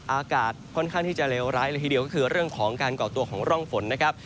อากาศค่อนข้างที่จะเลวร้ายเลยทีเดียวก็คือเรื่องของการก่อตัวของร่องฝนนะครับ